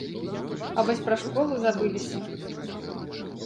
А вось пра школу забыліся.